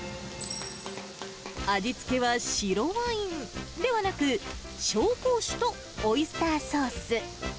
味付けは白ワインではなく、紹興酒とオイスターソース。